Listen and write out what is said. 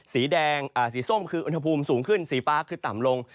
สีส้มคืออุณหภูมิสูงขึ้นสีฟ้าคือต่ำลง